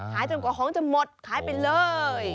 จนกว่าของจะหมดขายไปเลย